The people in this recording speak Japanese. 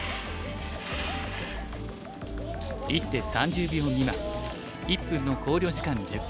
一手３０秒未満１分の考慮時間１０回。